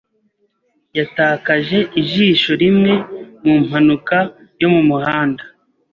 Yatakaje ijisho rimwe mu mpanuka yo mu muhanda.